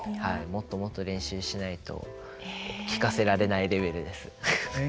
もっともっと練習しないと聴かせられないレベルです。